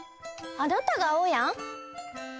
あなたがあおやん？